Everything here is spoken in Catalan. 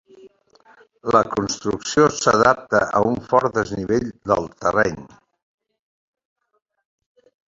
La construcció s'adapta a un fort desnivell del terreny.